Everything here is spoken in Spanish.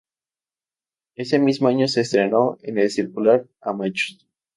Ese mismo año se estrenó en El Circular "¡Ah, machos!